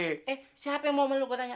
eh siapa yang mau meluk gue tanya